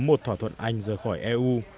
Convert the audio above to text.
một thỏa thuận anh rời khỏi eu